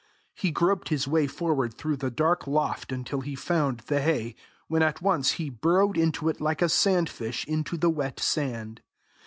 He groped his way forward through the dark loft until he found the hay, when at once he burrowed into it like a sand fish into the wet sand.